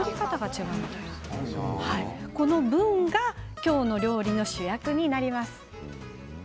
このブンが今日の料理の主役になります。